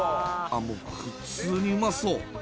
もう普通にうまそう。